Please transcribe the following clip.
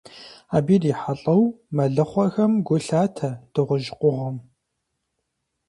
Абы ирихьэлӀэу, мэлыхъуэхэм гу лъатэ дыгъужь къугъым.